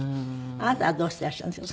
あなたはどうしていらっしゃるんですか？